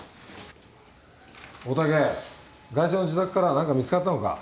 大竹ガイシャの自宅からは何か見つかったのか？